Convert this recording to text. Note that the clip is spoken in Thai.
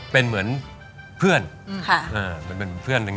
เป็นเหมือนเพื่อน